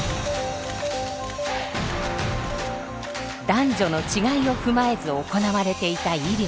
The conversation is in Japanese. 男女の違いを踏まえず行われていた医療。